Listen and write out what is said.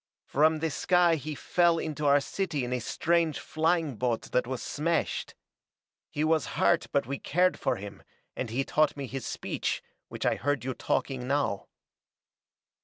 "From the sky he fell into our city in a strange flying boat that was smashed. He was hurt but we cared for him, and he taught me his speech, which I heard you talking now."